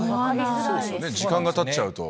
時間がたっちゃうと。